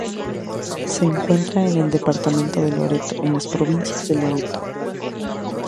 Se encuentra en el departamento de Loreto, en las provincia de Loreto.